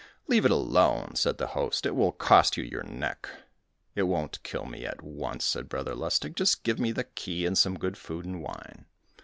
"Leave it alone," said the host, "it will cost you your neck." "It won't kill me at once," said Brother Lustig, "just give me the key, and some good food and wine."